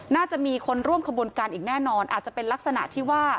น่าจะมีคนร่วมขบวนการอีกแน่นอนอาจจะเป็นลักษณะที่ว่า